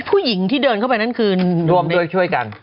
ผู้หญิงที่เดินเข้าไปนั่นคือรวมด้วยช่วยกัน